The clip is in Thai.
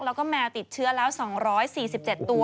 แล้วก็แมวติดเชื้อแล้ว๒๔๗ตัว